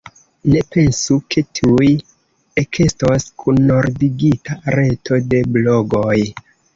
Ne pensu, ke tuj ekestos kunordigita reto de blogoj.